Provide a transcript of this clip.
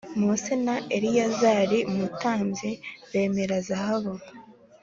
Mose na Eleyazari umutambyi bemera zahabu